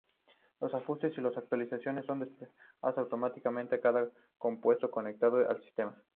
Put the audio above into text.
Los ajustes y las actualizaciones son desplegadas automáticamente a cada computador conectado al sistema.